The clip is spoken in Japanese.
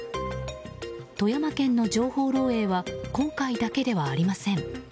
富山県の情報漏洩は今回だけではありません。